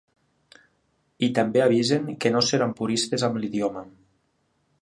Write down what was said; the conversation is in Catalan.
I també avisen que no seran puristes amb l’idioma.